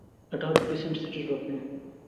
এটা হবে ক্রিসেন্ট সিটির রত্ন!